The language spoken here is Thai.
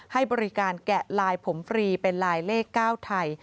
ให้บริการแกะลายผมฟรีเป็นลายเลข๙ไทย